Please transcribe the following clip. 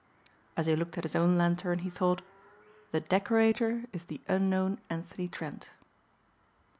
As he looked at his own lantern he thought, "The Decorator is the unknown Anthony Trent."